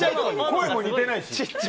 声も似てないし。